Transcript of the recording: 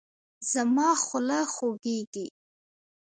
زما خوله خوږیږي